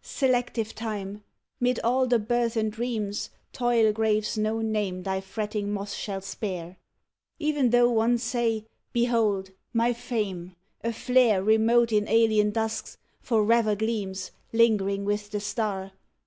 Selective Time! 'mid all the burthened reams Toil graves no name thy fretting moth shall spare, Even tho' one say, "Behold! my fame, a flare Remote in alien dusks, forever gleams, Lingering with the star."